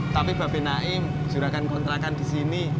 tapi bapak naim suruh kontrakan di sini